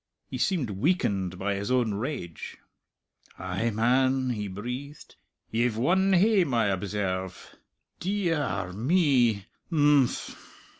He seemed weakened by his own rage. "Ay, man!" he breathed.... "Ye've won hame, I observe!... Dee ee ar me!... Im phm!"